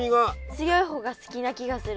強い方が好きな気がする。